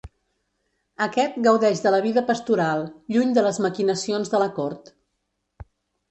Aquest gaudeix de la vida pastoral, lluny de les maquinacions de la cort.